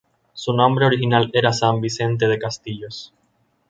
Su nombre original era San Vicente de Castillos.